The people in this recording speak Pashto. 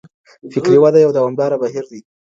فکري وده يو دوامداره بهير دی.